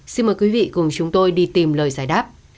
xin mời quý vị cùng chúng tôi đi tìm lời giải đáp